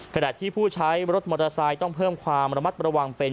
ขณะที่ผู้ใช้รถมอเตอร์ไซค์ต้องเพิ่มความระมัดระวังเป็น